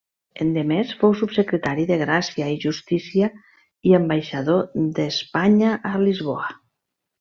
Endemés fou subsecretari de Gràcia i Justícia i ambaixador d'Espanya a Lisboa.